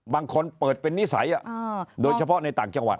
บางคนเปิดเป็นนิสัยโดยเฉพาะในต่างจังหวัด